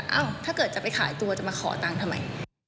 ถ้าเกิดจะไปขายตัวจะมาขอตังค์ทำไม